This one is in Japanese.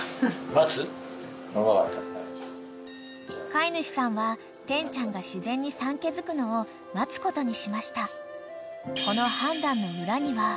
［飼い主さんはテンちゃんが自然に産気づくのを待つことにしました］